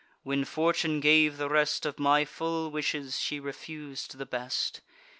when Fortune gave the rest Of my full wishes, she refus'd the best!